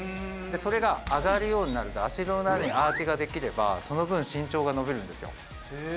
「それが上がるようになると足の裏にアーチができればその分身長が伸びるんですよ」